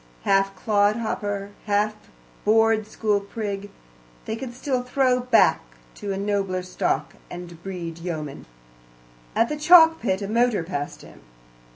Half clodhopper, half board school prig, they can still throw back to a nobler stock, and breed yeomen. At the chalk pit a motor passed him.